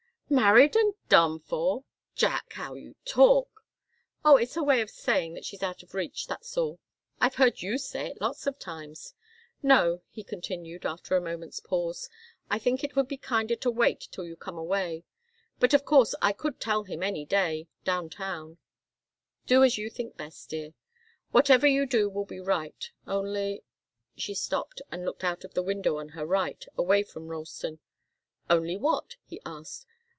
"Married and done for! Jack! How you talk!" "Oh it's a way of saying that she's out of reach, that's all. I've heard you say it lots of times. No," he continued, after a moment's pause, "I think it would be kinder to wait till you come away. But of course I could tell him any day, down town." "Do as you think best, dear. Whatever you do will be right. Only " She stopped, and looked out of the window on her right, away from Ralston. "Only what?" he asked.